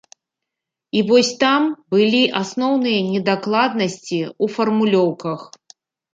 І вось там былі асноўныя недакладнасці ў фармулёўках.